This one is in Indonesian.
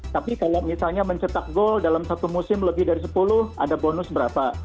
tapi kalau misalnya mencetak gol dalam satu musim lebih dari sepuluh ada bonus berapa